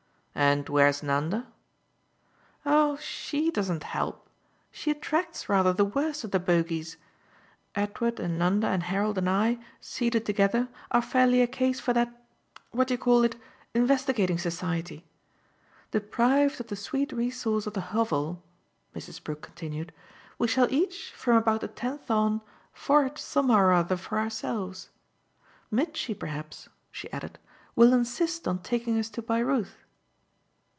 "And where's Nanda?" "Oh SHE doesn't help she attracts rather the worst of the bogies. Edward and Nanda and Harold and I seated together are fairly a case for that what do you call it? investigating Society. Deprived of the sweet resource of the Hovel," Mrs. Brook continued, "we shall each, from about the tenth on, forage somehow or other for ourselves. Mitchy perhaps," she added, "will insist on taking us to Baireuth."